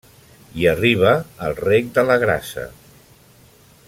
Hi arriba el Rec de la Grassa.